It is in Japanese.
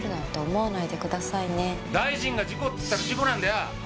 大臣が事故って言ったら事故なんだよ！